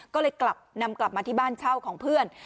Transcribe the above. ก็เลยกลับนำกลับมาที่บ้านเช่าของเพื่อน